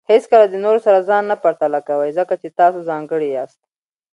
هیڅکله د نورو سره ځان نه پرتله کوئ، ځکه چې تاسو ځانګړي یاست.